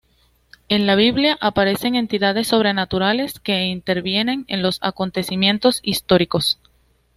En la Biblia aparecen entidades sobrenaturales que intervienen en los acontecimientos históricos.